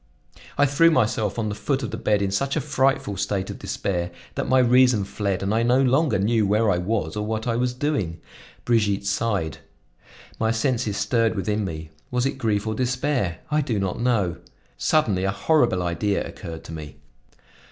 I threw myself on the foot of the bed in such a frightful state of despair, that my reason fled and I no longer knew where I was or what I was doing. Brigitte sighed. My senses stirred within me. Was it grief or despair? I do not know. Suddenly a horrible idea occurred to me.